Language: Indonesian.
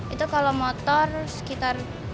itu kalau motor sekitar rp dua puluh lima sampai rp tiga puluh